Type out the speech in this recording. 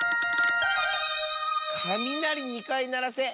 「かみなりにかいならせ」。